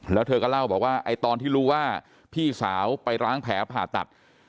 แล้วเธอก็เล่าบอกว่าไอ้ตอนที่รู้ว่าพี่สาวไปล้างแผลผ่าตัด